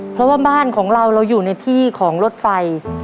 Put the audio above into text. เพราะว่าบ้านของเราเราอยู่ในที่ของรถไฟ